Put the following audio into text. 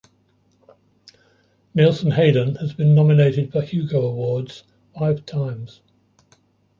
Nielsen Hayden has been nominated for Hugo Awards five times.